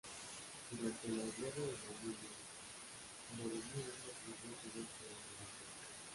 Durante la Guerra del Anillo, Boromir lo cruzó en su viaje a Rivendel.